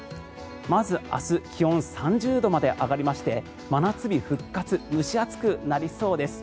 まず明日気温３０度まで上がりまして真夏日復活蒸し暑くなりそうです。